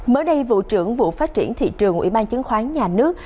mới đây vụ trưởng vụ phát triển thị trường của ủy ban chiến khoán nhà nước